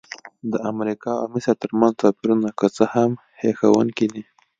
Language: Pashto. د امریکا او مصر ترمنځ توپیرونه که څه هم هیښوونکي دي.